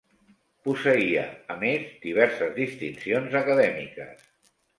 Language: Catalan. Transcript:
Posseïa a més diverses distincions acadèmiques.